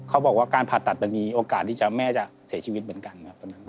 เขาบอกว่าการผ่าตัดมันมีโอกาสที่แม่จะเสียชีวิตเหมือนกันครับตอนนั้น